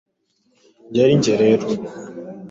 nJye ari njye rero,